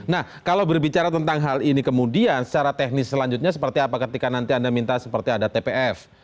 nah kalau berbicara tentang hal ini kemudian secara teknis selanjutnya seperti apa ketika nanti anda minta seperti ada tpf